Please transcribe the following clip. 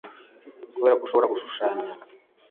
kuberako ushobora gushushanya.